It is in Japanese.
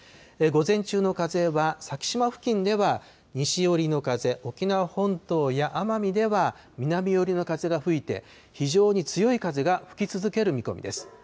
午前中の風は、先島付近では西寄りの風、沖縄本島や奄美では、南寄りの風が吹いて、非常に強い風が吹き続ける見込みです。